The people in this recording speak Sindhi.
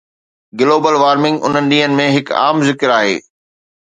گلوبل وارمنگ انهن ڏينهن ۾ هڪ عام ذڪر آهي